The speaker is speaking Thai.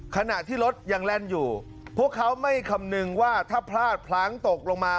ขณะที่รถยังแล่นอยู่พวกเขาไม่คำนึงว่าถ้าพลาดพลั้งตกลงมา